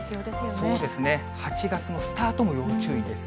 そうですね、８月のスタートも要注意です。